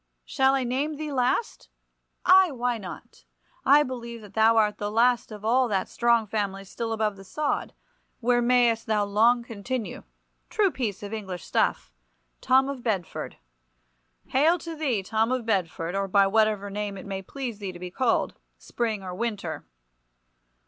shall I name thee last? Ay, why not? I believe that thou art the last of all that strong family still above the sod, where mayst thou long continue—true piece of English stuff—Tom of Bedford. Hail to thee, Tom of Bedford, or by whatever name it may please thee to be called, Spring or Winter!